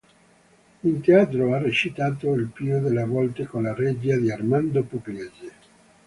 In teatro ha recitato il più delle volte con la regia di Armando Pugliese.